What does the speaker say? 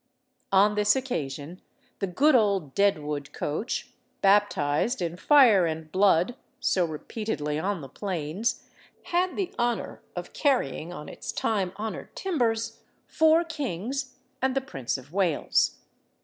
On this occasion the good old Deadwood coach, "baptized in fire and blood" so repeatedly on the plains, had the honor of carrying on its time honored timbers four kings and the Prince of Wales.